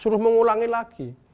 suruh mengulangi lagi